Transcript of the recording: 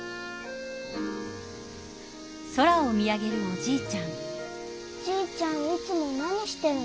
じいちゃんいつも何してるの？